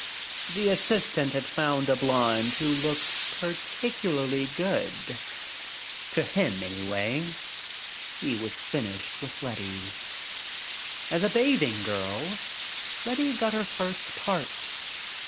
The assistant had found a blonde who looked particularly good to him, anyway. He was finished with Letty. As a bathing girl, Letty got her first part.